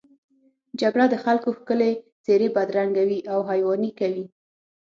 جګړه د خلکو ښکلې څېرې بدرنګوي او حیواني کوي